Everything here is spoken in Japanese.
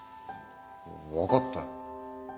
分かったよ。